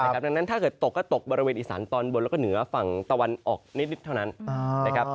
ดังนั้นถ้าเกิดตกก็ตกบริเวณอีสานตอนบนแล้วก็เหนือฝั่งตะวันออกนิดเท่านั้นนะครับ